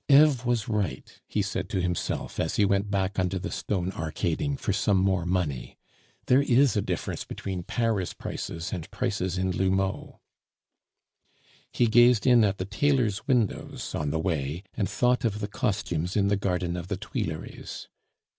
"Eve was right," he said to himself, as he went back under the stone arcading for some more money. "There is a difference between Paris prices and prices in L'Houmeau." He gazed in at the tailors' windows on the way, and thought of the costumes in the Garden of the Tuileries.